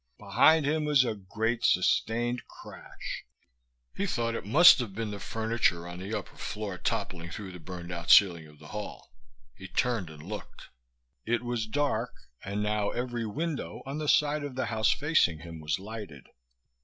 Behind him was a great, sustained crash. He thought it must have been the furniture on the upper floor toppling through the burned out ceiling of the hall. He turned and looked. It was dark, and now every window on the side of the house facing him was lighted.